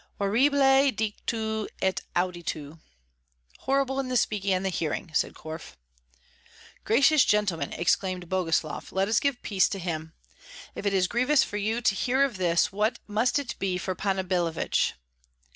"Horribile dictu et auditu (horrible in the speaking and the hearing)," said Korf. "Gracious gentlemen," exclaimed Boguslav, "let us give peace to him. If it is grievous for you to hear of this, what must it be for Panna Billevich?"